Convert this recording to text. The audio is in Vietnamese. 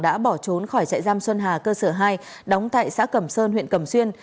đã bỏ trốn khỏi trại giam xuân hà cơ sở hai đóng tại xã cẩm sơn huyện cẩm xuyên